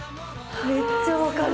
めっちゃわかる。